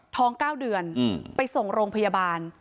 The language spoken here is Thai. ท้อง๙เดือนไปส่งโรงพยาบาล